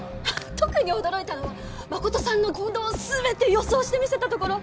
特に驚いたのは誠さんの行動を全て予想してみせたところ！